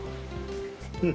うん。